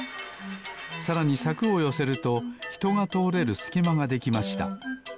さらにさくをよせるとひとがとおれるすきまができました。